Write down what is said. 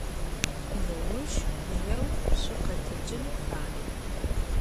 Неущ жьэу шъукъэтэджын фай.